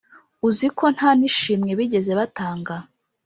uzi ko nta nishimwe bigeze batanga